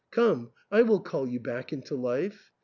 Come, I will call you back into life.